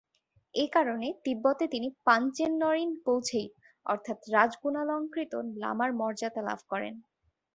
এ কারণে তিববতে তিনি ‘পাঞ্ছেনরিন্ পোছেই’ অর্থাৎ রাজগুণালঙ্কৃত লামার মর্যাদা লাভ করেন।